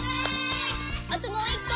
あともう１こ。